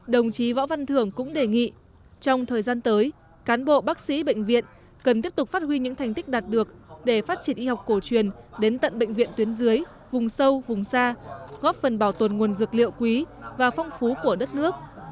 đồng chí võ văn thưởng cũng đề nghị trong thời gian tới cán bộ bác sĩ bệnh viện cần tiếp tục phát huy những thành tích đạt được để phát triển y học cổ truyền đến tận bệnh viện tuyến dưới vùng sâu vùng xa góp phần bảo tồn nguồn dược liệu quý và phong phú của đất nước